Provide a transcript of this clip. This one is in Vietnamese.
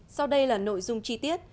sau đây là nội dung chi tiết